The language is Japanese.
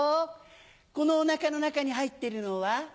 このお腹の中に入ってるのは？